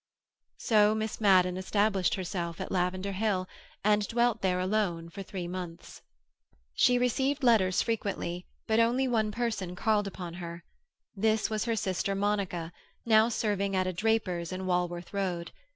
So Miss Madden established herself at Lavender Hill, and dwelt there alone for three months. She received letters frequently, but only one person called upon her. This was her sister Monica, now serving at a draper's in Walworth Road.